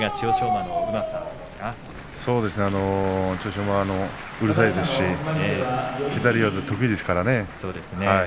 馬はうるさいですし左四つが得意ですからね。